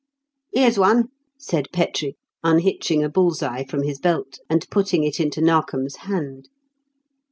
"Here's one," said Petrie, unhitching a bull's eye from his belt and putting it into Narkom's hand.